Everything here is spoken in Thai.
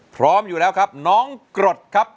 พร้อมอยู่แล้วครับน้องกรดครับ